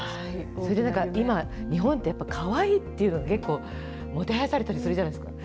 それでなんか、今、日本ってかわいいっていうのが結構、もてはやされたりするじゃないですか。